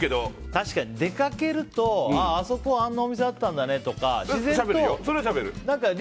確かに出かけると、あそこあんなお店あったんだねとか自然としゃべるよね。